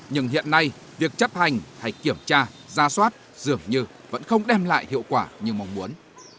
nhưng hiện nay việc chấp hành hay kiểm tra ra soát dường như vẫn không đem lại hiệu quả như mong muốn